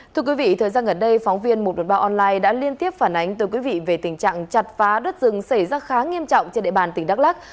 thưa quý vị thời gian gần đây phóng viên một trăm một mươi ba online đã liên tiếp phản ánh từ quý vị về tình trạng chặt phá đất rừng xảy ra khá nghiêm trọng trên địa bàn tỉnh đắk lắc